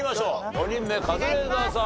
５人目カズレーザーさん